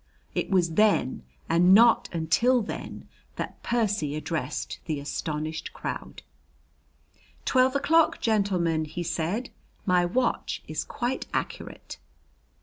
It was then, and not until then, that Percy addressed the astonished crowd. "Twelve o'clock, gentlemen," he said. "My watch is quite accurate."